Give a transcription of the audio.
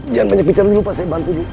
jangan banyak bicara dulu pak saya bantu juga